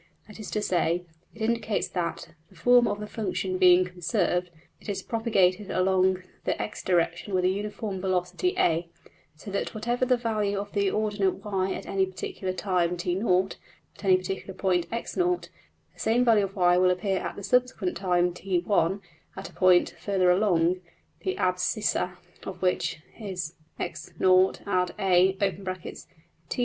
That is to say, it indicates that, the form of the function being conserved, it is propagated along the $x$~direction with a uniform velocity~$a$; so that whatever the value of the ordinate~$y$ at any particular time~$t_0$ at any particular point~$x_0$, the same value of~$y$ will appear at the subsequent time~$t_1$ at a point further along, the abscissa of which is $x_0 + a(t_1 t_0)$.